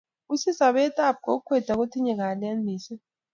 Wisis sopet ap kokwet ako tinye kalyet missing'